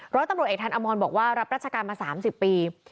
ร้อยตำรวจเอกทันอมรบอกว่ารับราชการมา๓๐ปี